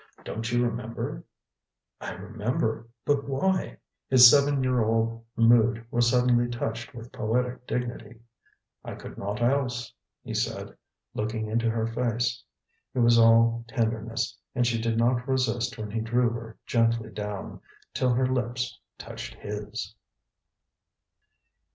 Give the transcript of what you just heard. Don't you remember?" "I remember. But why?" His seven year old mood was suddenly touched with poetic dignity. "I could naught else," he said, looking into her face. It was all tenderness; and she did not resist when he drew her gently down, till her lips touched his.